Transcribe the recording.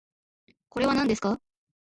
これはなんですか？